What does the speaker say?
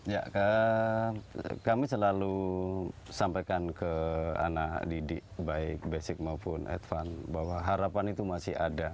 ya kami selalu sampaikan ke anak didik baik basic maupun advance bahwa harapan itu masih ada